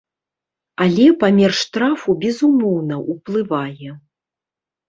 Але памер штрафу, безумоўна, уплывае.